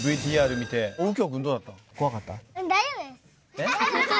えっ？